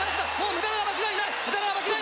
メダルは間違いない！